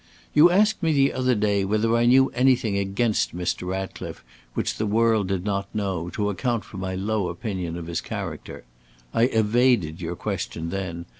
"You asked me the other day whether I knew anything against Mr. Ratcliffe which the world did not know, to account for my low opinion of his character. I evaded your question then.